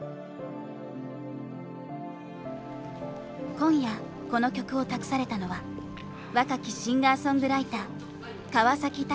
今夜この曲を託されたのは若きシンガーソングライター川崎鷹也。